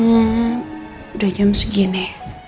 udah jam segini